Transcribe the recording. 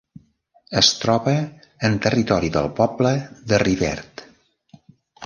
Es troba en territori del poble de Rivert.